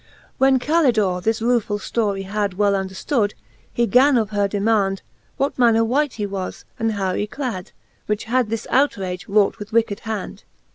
XLIV When Calidore this ruefuU ftorie had Well underfliood, he gan of her demand. What manner wight he was, and how yclad, Which had this outrage wrought with wicked hand.